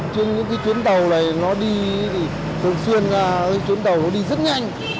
trên những chuyến tàu này nó đi thường xuyên ra chuyến tàu nó đi rất nhanh